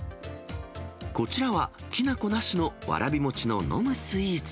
こちらは、きな粉なしのわらび餅の飲むスイーツ。